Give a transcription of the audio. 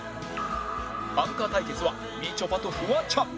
アンカー対決はみちょぱとフワちゃん